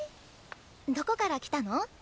どこから来たの？